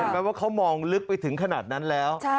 แปลว่าเขามองลึกไปถึงขนาดนั้นแล้ว